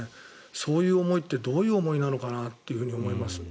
そういう思いってどういう思いなのかなと思います。